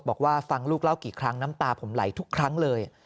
บอกว่าฟังลูกเล่ากี่ครั้งน้ำตาผมไหลทุกครั้งเลย